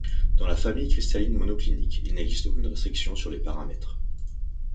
Dans la famille cristalline monoclinique, il n’existe aucune restriction sur les paramètres.